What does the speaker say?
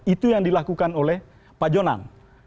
itu yang dilakukan oleh pak jonan